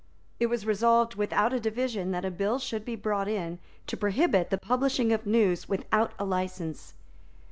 It was resolved without a division that a bill should be brought in to prohibit the publishing of news without a license.